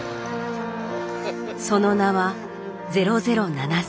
その名は「００７３」。